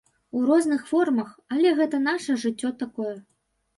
У розных формах, але гэта наша жыццё такое.